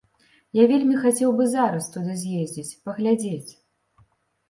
Я вельмі хацеў бы зараз туды з'ездзіць, паглядзець.